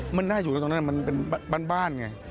มันน่าอยู่ตรงนั้นมันเป็นบ้านไง